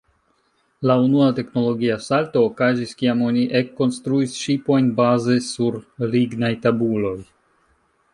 La unua teknologia salto okazis kiam oni ekkonstruis ŝipojn baze sur lignaj tabuloj.